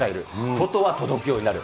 外は届くようになる。